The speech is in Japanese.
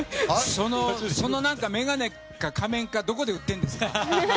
その眼鏡か仮面かどこで売ってるんですか？